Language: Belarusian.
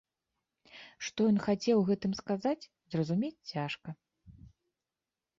Што ён хацеў гэтым сказаць, зразумець цяжка.